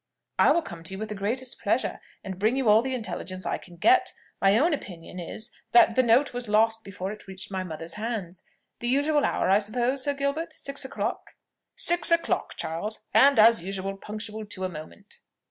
"I will come to you with the greatest pleasure, and bring you all the intelligence I can get. My own opinion is, that the note was lost before it reached my mother's hands. The usual hour, I suppose, Sir Gilbert, six o'clock?" "Six o'clock, Charles, and, as usual, punctual to a moment."